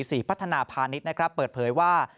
ศรีพัฒนาพาณิชย์นะครับเปิดเผยว่า